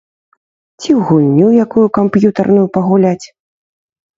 Ці ў гульню якую камп'ютарную пагуляць.